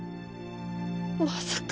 まさか！